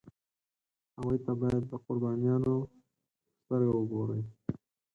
هغوی ته باید د قربانیانو په سترګه وګوري.